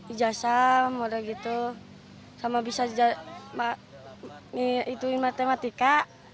ija saham sama bisa jadikan matematika